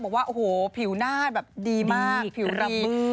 บอกว่าโอ้โหผิวหน้าแบบดีมากผิวระเบิด